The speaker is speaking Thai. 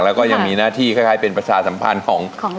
แล้วก็ยังมีหน้าที่คล้ายเป็นประชาสัมพันธ์ของ